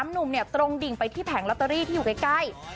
หนุ่มตรงดิ่งไปที่แผงลอตเตอรี่ที่อยู่ใกล้